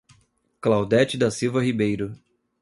Claudete da Silva Ribeiro